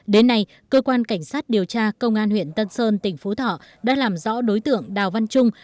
đến nay cơ quan cảnh sát điều tra công an huyện tân sơn tỉnh phú thọ đã làm rõ đối tượng đào văn trung